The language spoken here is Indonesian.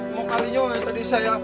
mau kalinya tadi saya